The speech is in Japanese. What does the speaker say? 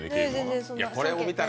これを見たら。